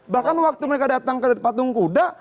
bahkan waktu mereka datang ke patung kuda